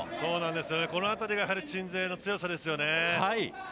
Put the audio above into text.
このあたりが鎮西の強さですよね。